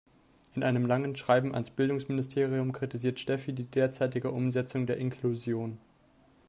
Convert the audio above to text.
In einem langen Schreiben ans Bildungsministerium kritisiert Steffi die derzeitige Umsetzung der Inklusion.